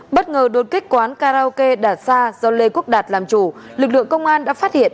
bất ngờ đột kích quán karaoke đạt sa do lê quốc đạt làm chủ lực lượng công an đã phát hiện